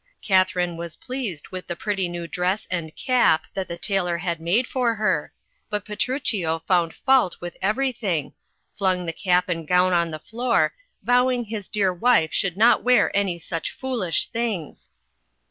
Katharine was pleased with the pretty new dress and cap that the tailor had made for her, but Petruchio found fault with every thing, flung the cap and gown on the floor, vowing his dear wife should not wear any such foolish things.